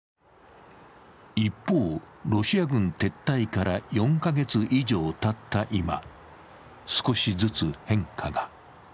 一方、ロシア軍撤退から４カ月以上たった今、少しずつ変化が。